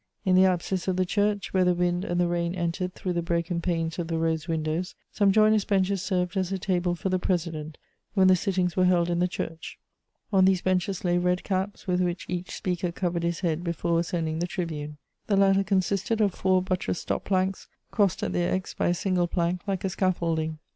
In the apsis of the church, where the wind and the rain entered through the broken panes of the rose windows, some joiners' benches served as a table for the president, when the sittings were held in the church. On these benches lay red caps, with which each speaker covered his head before ascending the tribune. The latter consisted of four buttressed stop planks, crossed at their X by a single plank, like a scaffolding.